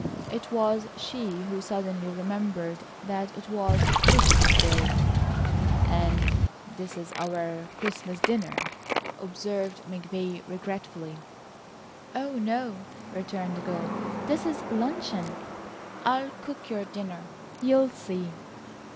It was she who suddenly remembered that it was Christmas day. "And this is our Christmas dinner," observed McVay regretfully. "Oh, no," returned the girl, "this is luncheon. I'll cook your dinner. You'll see."